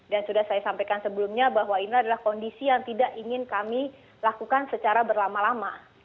dan sudah saya sampaikan sebelumnya bahwa ini adalah kondisi yang tidak ingin kami lakukan secara berlama lama